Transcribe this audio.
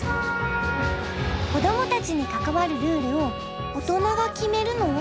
子どもたちに関わるルールを大人が決めるの？